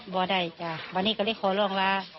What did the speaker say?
บ่าได้จ้ะวันนี้ก็ได้ขอลงละ